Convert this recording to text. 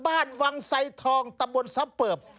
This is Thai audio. บ้านวังไสทองตำบลสัมเปิบ